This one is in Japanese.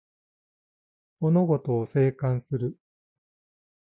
物事を静観する